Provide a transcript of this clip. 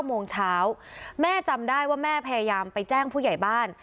โมงเช้าแม่จำได้ว่าแม่พยายามไปแจ้งผู้ใหญ่บ้าน